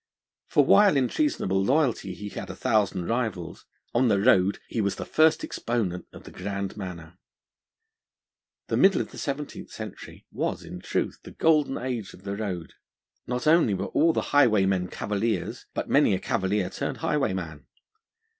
For while in treasonable loyalty he had a thousand rivals, on the road he was the first exponent of the grand manner. The middle of the seventeenth century was, in truth, the golden age of the Road. Not only were all the highwaymen Cavaliers, but many a Cavalier turned highwayman.